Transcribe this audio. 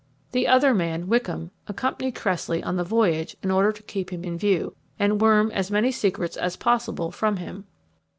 The other man, Wickham, accompanied Cressley on the voyage in order to keep him in view, and worm as many secrets as possible from him.